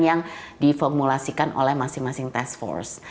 yang diformulasikan oleh masing masing task force